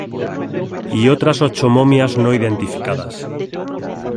Y otras ocho momias no identificadas.